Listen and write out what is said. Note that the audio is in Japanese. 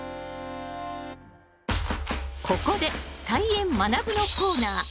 ここで「菜園×まなぶ」のコーナー！